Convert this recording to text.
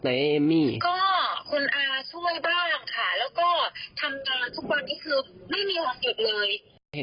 พอต้องใจ